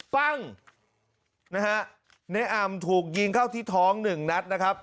ปั้งนะฮะในอ่ำถูกยิงเข้าที่ท้องหนึ่งนัดนะครับ